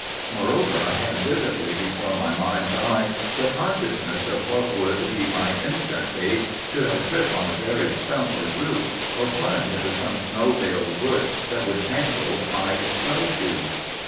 Moreover, I had vividly before my mind's eye the consciousness of what would be my instant fate should I trip on a buried stump or root, or plunge into some snow veiled bush that would entangle my snow shoes.